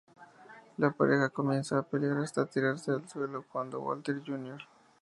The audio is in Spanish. La pareja comienza a pelear hasta tirarse al suelo, cuando Walter Jr.